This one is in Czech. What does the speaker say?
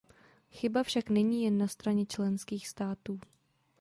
Chyba však není jen na straně členských států.